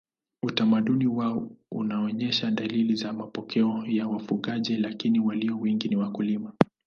Utamaduni wao unaonyesha dalili za mapokeo ya wafugaji lakini walio wengi ni wakulima.